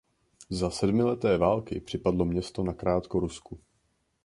Za sedmileté války připadlo město nakrátko Rusku.